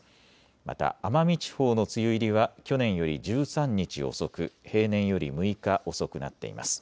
また奄美地方の梅雨入りは去年より１３日遅く平年より６日遅くなっています。